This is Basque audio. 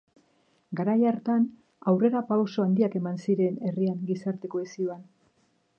Garaia hartan aurrerapauso handiak eman ziren herrian gizarte-kohesioan.